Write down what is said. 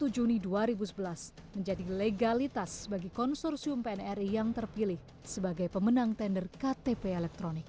satu juni dua ribu sebelas menjadi legalitas bagi konsorsium pnri yang terpilih sebagai pemenang tender ktp elektronik